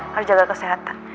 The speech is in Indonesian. harus jaga kesehatan